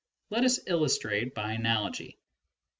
Let us illustrate by an analogy.